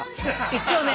一応ね。